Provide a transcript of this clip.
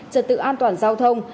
trật tự an toàn giao thông